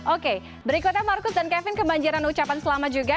oke berikutnya marcus dan kevin kebanjiran ucapan selamat juga